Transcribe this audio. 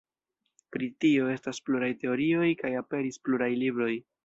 Pri tio estas pluraj teorioj kaj aperis pluraj libroj.